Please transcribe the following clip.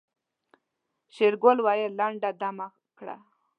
شېرګل وويل لنډه دمه کړه.